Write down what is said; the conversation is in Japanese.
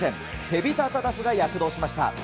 テビタ・タタフが躍動しました。